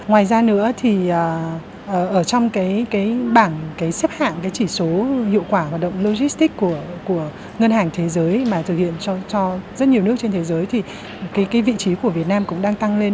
ngoài ra nữa thì ở trong cái bảng xếp hạng cái chỉ số hiệu quả hoạt động logistics của ngân hàng thế giới mà thực hiện cho rất nhiều nước trên thế giới thì cái vị trí của việt nam cũng đang tăng lên